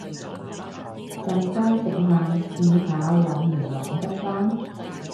陣間食晏試下搵唔搵得返